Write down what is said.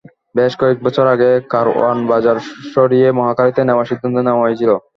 বেশ কয়েক বছর আগে কারওয়ান বাজার সরিয়ে মহাখালীতে নেওয়ার সিদ্ধান্ত নেওয়া হয়েছিল।